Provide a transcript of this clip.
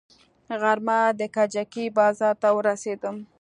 غرمه د کجکي بازار ته ورسېدم.